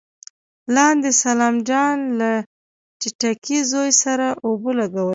لاندې سلام جان له ټيټکي زوی سره اوبه لګولې.